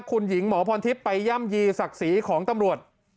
คุณหญิงหมอพรทิพย์ไปย่ำยีศักดิ์ศรีของตำรวจ